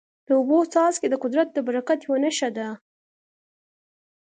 د اوبو څاڅکي د قدرت د برکت یوه نښه ده.